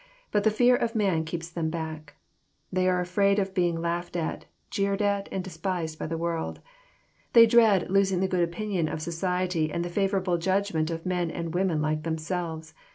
But the fear pf man keeps them back. They are afraid of being laughed at. Jeered at, and despised by the world. They dread losing the good opinion of society, and the favourable judgment of men and women like themselves.